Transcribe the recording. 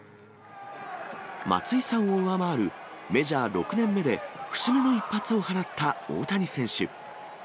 松井さんを上回るメジャー６年目で節目の一発を放った大谷選手。